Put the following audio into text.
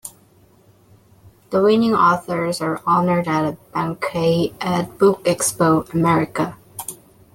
The winning authors are honored at a banquet at BookExpo America.